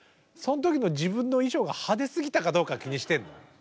その時の自分の衣装が派手すぎたかどうか気にしてんの？